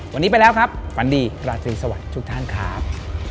วันนี้ไปแล้วครับฝันดีราตรีสวัสดีทุกท่านครับ